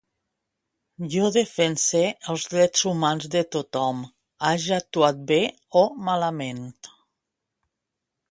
Jo defense els drets humans de tothom, haja actuat bé o malament.